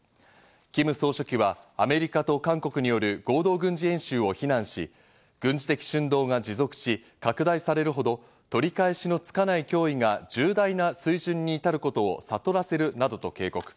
キム総書記はアメリカと韓国による合同軍事演習を非難し、軍事的蠢動が持続し、拡大されるほど取り返しのつかない脅威が重大な水準に至ることを悟らせるなどと警告。